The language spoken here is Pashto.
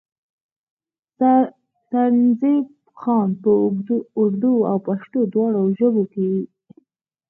سرنزېب خان پۀ اردو او پښتو دواړو ژبو کښې